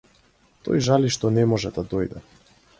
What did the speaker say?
Тој жали што не може да дојде.